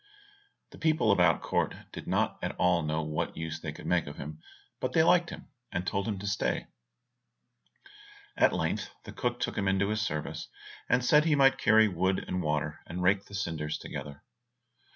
The people about court did not at all know what use they could make of him, but they liked him, and told him to stay. At length the cook took him into his service, and said he might carry wood and water, and rake the cinders together.